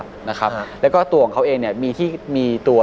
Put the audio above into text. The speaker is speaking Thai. ไม่ได้อยู่แล้วล่ะนะครับแล้วก็ตัวของเขาเองเนี้ยมีที่มีตัว